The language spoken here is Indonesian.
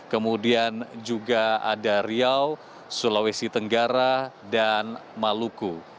kemudian juga ada riau sulawesi tenggara dan maluku